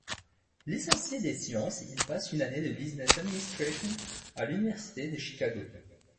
Licencié ès sciences, il passe une année de business administration à l'Université de Chicago.